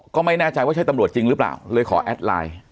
ก็ไม่แน่ใจว่าใช่ตำรวจจริงหรือเปล่าเลยขอแอดไลน์